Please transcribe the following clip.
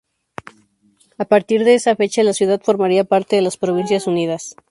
A partir de esa fecha la ciudad formaría parte de las Provincias Unidas.